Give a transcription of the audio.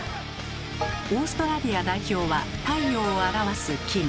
オーストラリア代表は太陽を表す金。